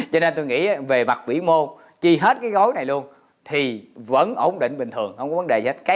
cho nên tôi nghĩ về mặt vĩ mô chi hết cái gói này luôn thì vẫn ổn định bình thường không có vấn đề gì hết